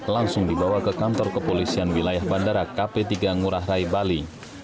langsung dibawa ke kantor kepolisian wilayah bandara kp tiga ngurah rai bali